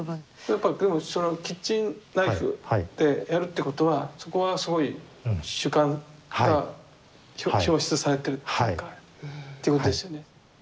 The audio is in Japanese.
やっぱでもそのキッチンナイフでやるってことはそこはすごい主観が表出されてるっていうかっていうことですよね。